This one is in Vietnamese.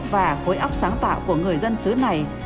và khối óc sáng tạo của người dân xứ này